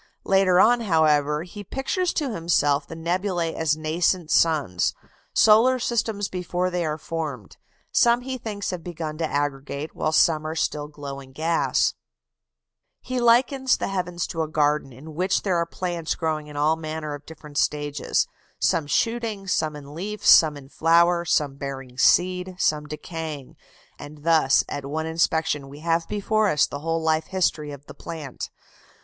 Later on, however, he pictures to himself the nebulæ as nascent suns: solar systems before they are formed. Some he thinks have begun to aggregate, while some are still glowing gas. [Illustration: FIG. 88. Old drawing of the Andromeda nebula.] He likens the heavens to a garden in which there are plants growing in all manner of different stages: some shooting, some in leaf, some in flower, some bearing seed, some decaying; and thus at one inspection we have before us the whole life history of the plant.